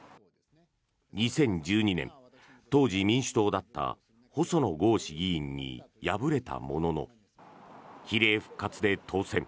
２０１２年、当時民主党だった細野豪志議員に敗れたものの比例復活で当選。